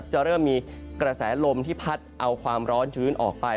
จะเริ่มมีกระแสลมที่พัดเอาความร้อนชื้นออกไป